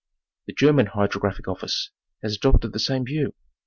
The German Hydrographic Office has adopted the same view.